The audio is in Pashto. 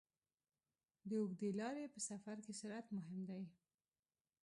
د اوږدې لارې په سفر کې سرعت مهم دی.